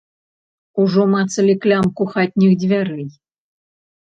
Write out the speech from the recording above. Ужо мацалі клямку хатніх дзвярэй.